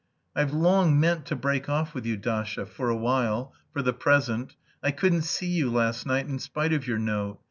"I've long meant to break off with you, Dasha... for a while... for the present. I couldn't see you last night, in spite of your note.